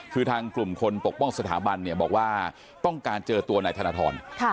คือทางกลุ่มคนปกป้องสถาบันเนี่ยบอกว่าต้องการเจอตัวนายธนทร